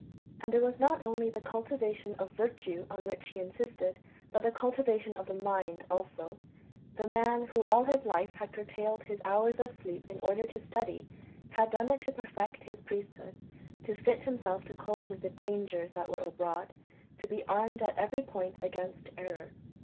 And it was not only the cultivation of virtue on which he insisted, but the cultivation of the mind also. The man who all his life had curtailed his hours of sleep in order to study, had done it to perfect his priesthood, to fit himself to cope with the dangers that were abroad, to be armed at every point against error.